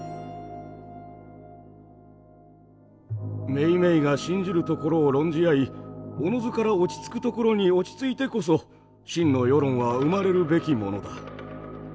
めいめいが信じるところを論じ合いおのずから落ち着くところに落ち着いてこそ真の世論は生まれるべきものだ。